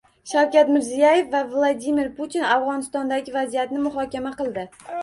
Shavkat Mirziyoyev va Vladimir Putin Afg‘onistondagi vaziyatni muhokama qildi